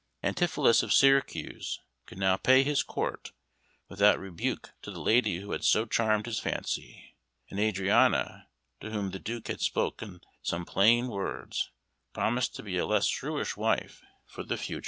Antipholus of Syracuse could now pay his court without rebuke to the lady who had so charmed his fancy; and Adriana, to whom the Duke had spoken some plain words, promised to be a less shrewish wife for the future.